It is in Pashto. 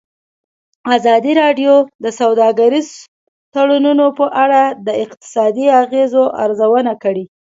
ازادي راډیو د سوداګریز تړونونه په اړه د اقتصادي اغېزو ارزونه کړې.